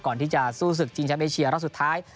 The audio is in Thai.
ก่อนที่จะสู้ศึกจริงชั้นไปเชียร์รอสุดท้าย